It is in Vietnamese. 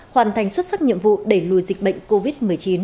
hoàn thành xuất sắc nhiệm vụ đẩy lùi dịch bệnh covid một mươi chín